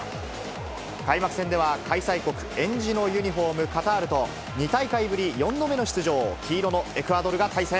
開幕戦では開催国、えんじのユニホーム、カタールと２大会ぶり４度目の出場、黄色のエクアドルが対戦。